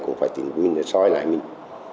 cũng phải tìm mình để soi lại mình